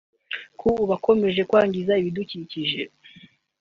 ku bakomeje kwangiza ibidukikije